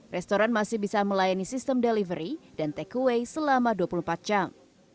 restoran masih bisa melayani sistem delivery dan takeaway selama dua puluh empat jam